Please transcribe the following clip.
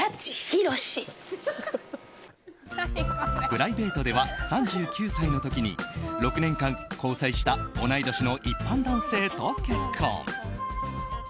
プライベートでは３９歳の時に６年間交際した同い年の一般男性と結婚。